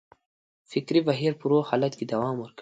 فکري بهیر په روغ حالت کې دوام وکړي.